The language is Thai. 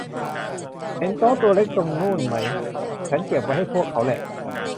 เห็นโต๊ะตัวเล็กตรงนู่นไหม ? ฉันเก็บไว้ให้พวกเขาแหล่ะ